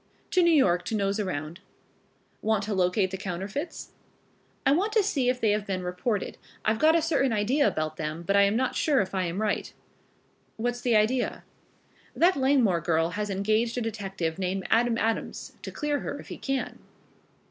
"To New York to nose around." "Want to locate the counterfeits?" "I want to see if they have been reported. I've got a certain idea about them, but I am not sure if I am right." "What's the idea?" "That Langmore girl has engaged a detective named Adam Adams to clear her, if he can.